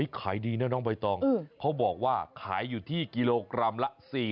ขายดีนะน้องใบตองเขาบอกว่าขายอยู่ที่กิโลกรัมละ๔๐